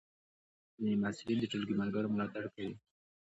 ځینې محصلین د ټولګی ملګرو ملاتړ کوي.